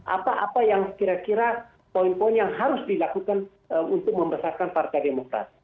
apa apa yang kira kira poin poin yang harus dilakukan untuk membesarkan partai demokrat